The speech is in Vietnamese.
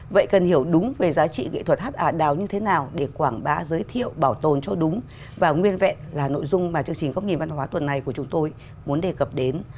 vậy cần hiểu đúng về giá trị nghệ thuật hát ả đào như thế nào để quảng bá giới thiệu bảo tồn cho đúng và nguyên vẹn là nội dung mà chương trình góc nhìn văn hóa tuần này của chúng tôi muốn đề cập đến